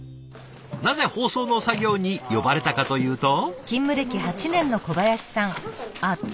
なぜ包装の作業に呼ばれたかというと。